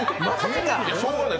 しようがない